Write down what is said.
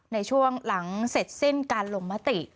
ในช่วงหลังเสร็จสิ้นการลงมติ